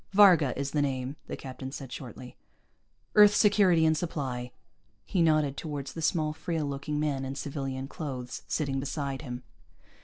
"Varga is the name," the captain said shortly. "Earth Security and Supply." He nodded toward the small, frail looking man in civilian clothes, sitting beside him.